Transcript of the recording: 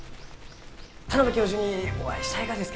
田邊教授にお会いしたいがです